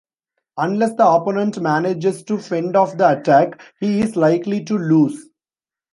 Unless the opponent manages to fend off the attack, he is likely to lose.